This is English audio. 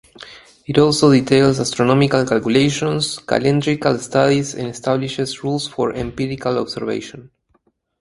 It also details astronomical calculations, calendrical studies, and establishes rules for empirical observation.